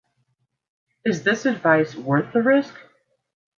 Is this advice worth the risk?